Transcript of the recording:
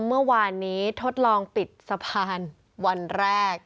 เมื่อวานนี้ทดลองปิดสะพานวันแรก